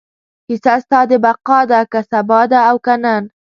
کیسه ستا د بقا ده، که سبا ده او که نن